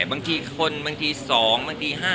บางทีคนบางที๒บางที๕